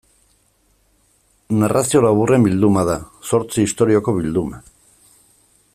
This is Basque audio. Narrazio laburren bilduma da, zortzi istorioko bilduma.